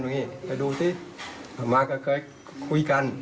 ไปดูสิอัตมาก็เคยคุยกัน